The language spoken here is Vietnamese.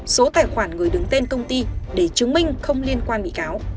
số tài khoản người đứng tên công ty để chứng minh không liên quan bị cáo